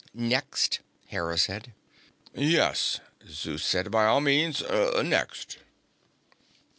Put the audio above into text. "Next," Hera said. "Yes," Zeus said. "By all means. Next."